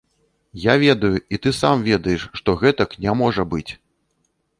Я ведаю і ты сам ведаеш, што гэтак не можа быць!